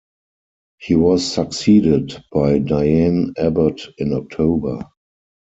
He was succeeded by Diane Abbott in October.